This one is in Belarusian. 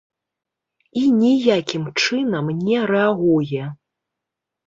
І ніякім чынам не рэагуе.